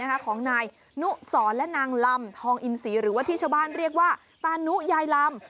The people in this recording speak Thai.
ของนายนุสรและนางลำทองอินศรีหรือว่าที่ชาวบ้านเรียกว่าตานุยายลำ